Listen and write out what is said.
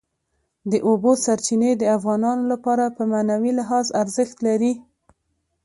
د اوبو سرچینې د افغانانو لپاره په معنوي لحاظ ارزښت لري.